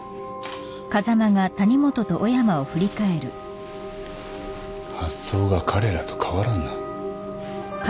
発想が彼らと変わらんな。